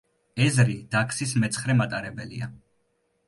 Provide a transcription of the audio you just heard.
ეზრი დაქსის მეცხრე მატარებელია.